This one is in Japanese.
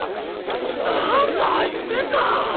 何だ夢か。